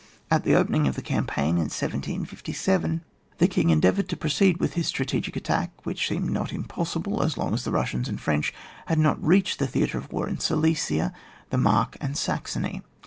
At the opening of the campaign of 1757, tlxe King endeavoured to proceed with his strategic attack, which seemed not im possible as long as the Bussians and French had not yet reached the theatre of war in Silesia, the Mark and Saxony.